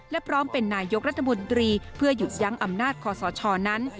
และพร้อมเป็นนายกรัฐมนตรีเพื่อหยุดยั้งอำนาจคอสชนั้น